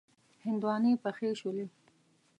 هندواڼی پخې شولې.